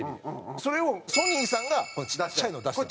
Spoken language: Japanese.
それをソニーさんがちっちゃいのを出したんです。